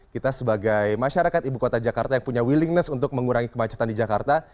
kita sebagai masyarakat ibu kota jakarta yang punya willingness untuk mengurangi kemacetan di jakarta